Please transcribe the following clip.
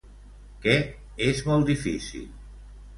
Què és molt difícil?